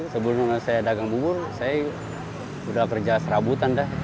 sebelumnya saya dagang bubur saya sudah kerja serabutan dah